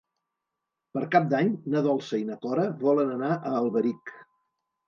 Per Cap d'Any na Dolça i na Cora volen anar a Alberic.